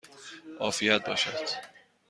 عافیت باشد!